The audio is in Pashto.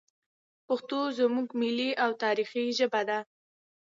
پښتو زموږ ملي او تاریخي ژبه ده.